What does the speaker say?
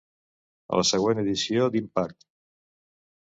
A la següent edició d''Impact!'